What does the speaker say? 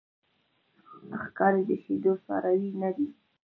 ښکاري د شیدو څاروی نه دی.